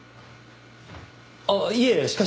あっいえしかし。